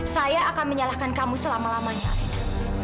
saya akan menyalahkan kamu selama lamanya